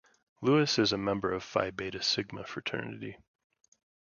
Lewis is a member of Phi Beta Sigma fraternity.